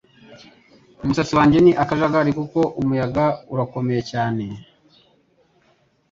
Umusatsi wanjye ni akajagari kuko umuyaga urakomeye cyane